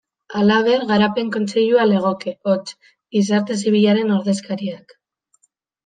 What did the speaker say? Halaber, Garapen Kontseilua legoke, hots, gizarte zibilaren ordezkariak.